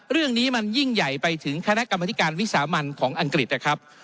เรื่องนี้มันยิ่งใหญ่ไปถึงคณะกรรมธิการวิสามันของอังกฤษนะครับ